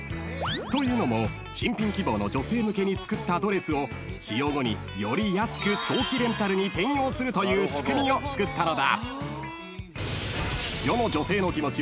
［というのも新品希望の女性向けに作ったドレスを使用後により安く長期レンタルに転用するという仕組みを作ったのだ］